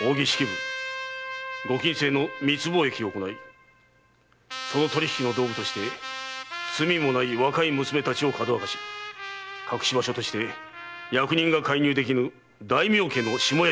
扇式部ご禁制の密貿易を行いその取り引きの道具として罪もない若い娘たちをかどわかし隠し場所として役人が介入できぬ大名家下屋敷を悪用。